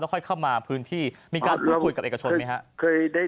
ค่อยเข้ามาพื้นที่มีการพูดคุยกับเอกชนไหมครับ